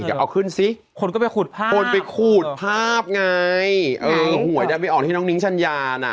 อย่าเอาขึ้นสิคนก็ไปขูดภาพคนไปขูดภาพไงเออหวยดันไปออกที่น้องนิ้งชัญญาน่ะ